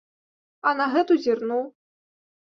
А на гэту зірнуў.